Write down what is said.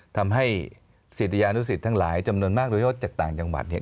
ทำให้ศิษยานุสิตทั้งหลายจำนวนมากโดยเฉพาะจากต่างจังหวัดเนี่ย